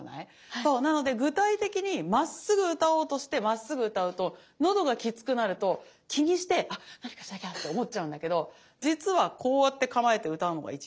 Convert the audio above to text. そうなので具体的にまっすぐ歌おうとしてまっすぐ歌うと喉がきつくなると気にして何かしなきゃって思っちゃうんだけど実はこうやって構えて歌うのが一番いいみたい。